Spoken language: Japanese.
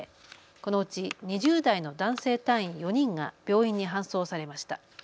このうち２０代の男性隊員４人が病院に搬送されました。